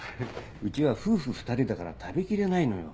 うちは夫婦２人だから食べきれないのよ。